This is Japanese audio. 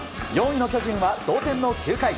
４位の巨人は同点の９回。